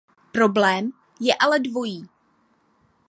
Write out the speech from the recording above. Problém je ale dvojí.